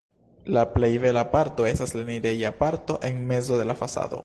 La plej bela parto estas la enireja parto en mezo de la fasado.